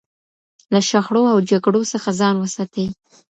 له شخړو او جګړو څخه ځان وساتئ.